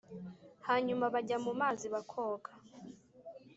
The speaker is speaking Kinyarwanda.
hanyuma bajya mu mazi bakoga.